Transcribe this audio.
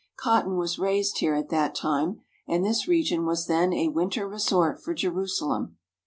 Cotton was raised here at that time, and this region was then a winter resort for Jerusalem.